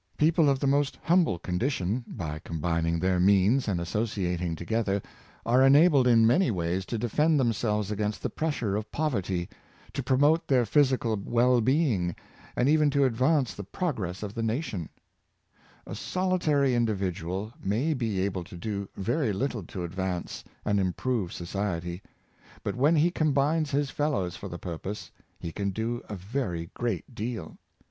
People of the most humble condition, by combining their means and associating together, are enabled in many ways to defend them selves against the pressure of poverty, to promote their physical well being, and even to advance the progress of the nation A solitary individual may be able to do very little to advance and improve society; but when he combines with his fellows for the purpose, he can do a very great deal.